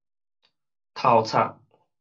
頭插